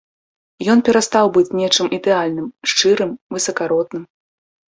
Ён перастаў быць нечым ідэальным, шчырым, высакародным.